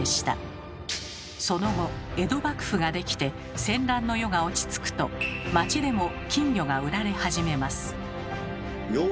その後江戸幕府ができて戦乱の世が落ち着くと町でも金魚が売られ始めます。